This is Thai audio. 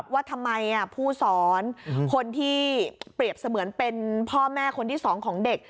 ว่าทำไมผู้สอนคนที่เปรียบเสมือนเป็นพ่อแม่คนที่สองของเด็ก